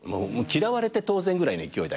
嫌われて当然ぐらいの勢いだけど。